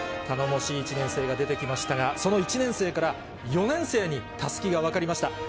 頼もしい１年生が出てきましたが、その１年生から４年生にたすきが渡りました。